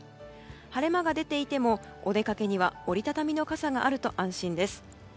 晴れ間が出ていてもお出かけには折り畳みの傘があると安心です。